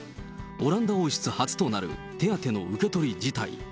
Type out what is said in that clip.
オランダ王室初となる手当の受け取り辞退。